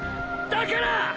だから！！